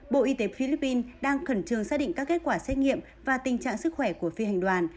bộ y tế philippines đang khẩn trương xác định các kết quả xét nghiệm và tình trạng sức khỏe của phi hành đoàn